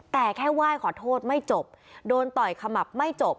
แต่แค่ไหว้ขอโทษไม่จบโดนต่อยขมับไม่จบ